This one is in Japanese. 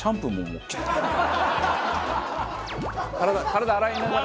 体洗いながら。